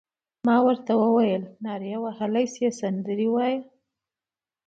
ما ورته وویل: نارې وهلای شې، سندرې وایې؟